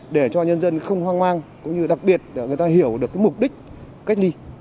để cho nhân dân không hoang mang cũng như đặc biệt để người ta hiểu được mục đích cách ly